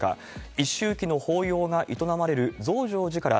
一周忌の法要が営まれる増上寺から、